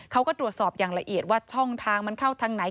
เขาก็ตรวจสอบอย่างละเอียดว่าช่องทางมันเข้าทางไหน